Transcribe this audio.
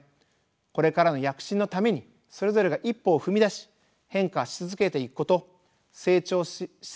これからの躍進のためにそれぞれが一歩を踏み出し変化し続けていくこと成長し続けていくことです。